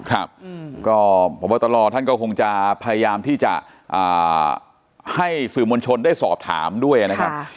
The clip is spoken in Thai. ครับก็พบตรท่านก็คงจะพยายามที่จะให้สื่อมวลชนได้สอบถามด้วยนะครับ